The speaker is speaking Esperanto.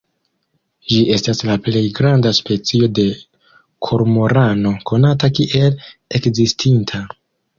Ĝi estas la plej granda specio de kormorano konata kiel ekzistinta.